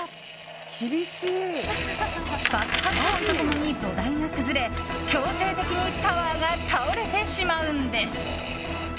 爆発音と共に土台が崩れ強制的にタワーが倒れてしまうんです。